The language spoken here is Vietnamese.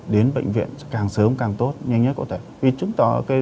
đến bệnh viện càng sớm càng tốt nhanh nhất có thể